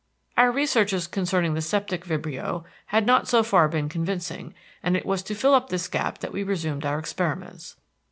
Our researches concerning the septic vibrio had not so far been convincing, and it was to fill up this gap that we resumed our experiments.